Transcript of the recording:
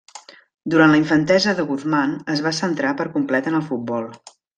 Durant la infantesa, de Guzmán es va centrar per complet en el futbol.